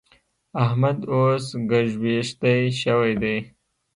احمد اوس ګږوېښتی شوی دی.